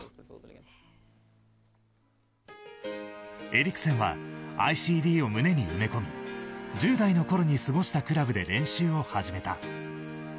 エリクセンはＩＣＤを胸に埋め込み１０代のころに過ごしたクラブで練習を始めた。